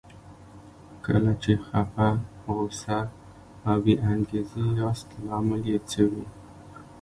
کله چې خپه، غوسه او بې انګېزې ياست لامل يې څه وي؟